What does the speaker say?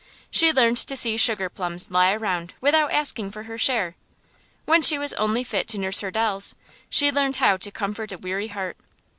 She learned to see sugar plums lie around without asking for her share. When she was only fit to nurse her dolls, she learned how to comfort a weary heart.